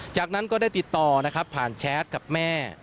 จากนั้นก็ได้ติดต่อนะครับผ่านแชทกับแม่